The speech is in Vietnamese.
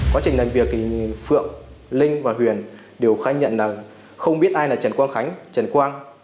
quá trình làm việc thì phượng linh và huyền đều khai nhận là không biết ai là trần quang khánh trần quang